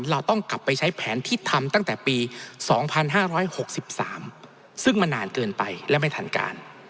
เราต้องกลับไปใช้แผนที่ทำตั้งแต่ปีสองพันห้าร้อยหกสิบสามซึ่งมันนานเกินไปและไม่ทันการ